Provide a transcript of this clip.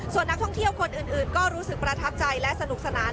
ส่วนนักท่องเที่ยวคนอื่นก็รู้สึกประทับใจและสนุกสนาน